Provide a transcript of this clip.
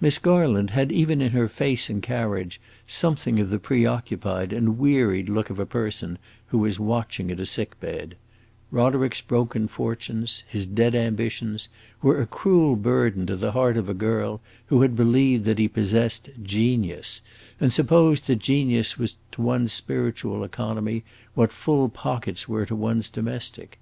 Miss Garland had even in her face and carriage something of the preoccupied and wearied look of a person who is watching at a sick bed; Roderick's broken fortunes, his dead ambitions, were a cruel burden to the heart of a girl who had believed that he possessed "genius," and supposed that genius was to one's spiritual economy what full pockets were to one's domestic.